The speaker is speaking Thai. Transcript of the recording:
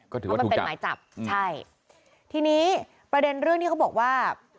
ก็ถือว่าถูกจับใช่ที่นี้ประเด็นเรื่องนี้เขาบอกว่า